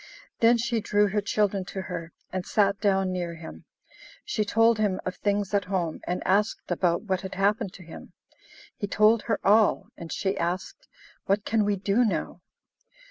Then she drew her children to her, and sat down near him. She told him of things at home, and asked about what had happened to him. He told her all, and she asked, "What can we do now?"